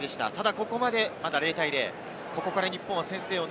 ここまで０対０。